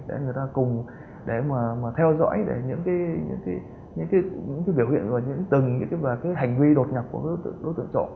để người ta cùng theo dõi những biểu hiện và những từng hành vi đột nhập của đối tượng chỗ